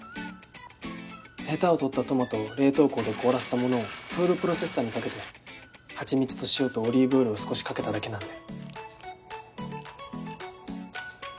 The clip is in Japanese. ヘタを取ったトマトを冷凍庫で凍らせたものをフードプロセッサーにかけてはちみつと塩とオリーブオイルを少しかけただけなので。